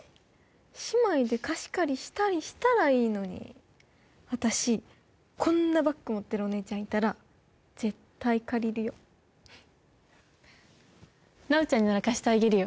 姉妹で貸し借りしたりしたらいいのに私こんなバッグ持ってるお姉ちゃんいたら絶対借りるよ奈央ちゃんになら貸してあげるよ